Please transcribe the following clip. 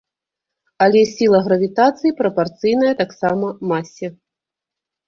Але сіла гравітацыі прапарцыйная таксама масе.